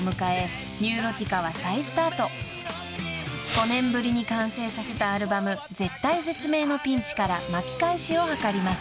［５年ぶりに完成させたアルバム『絶対絶命のピンチ！！』から巻き返しを図ります］